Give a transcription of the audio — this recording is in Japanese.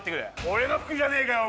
俺の服じゃねえかよ